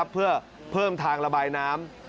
เพื่อเพิ่มทางระบายน้ำ